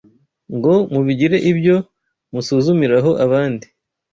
ngo mubigire ibyo musuzumiraho abandi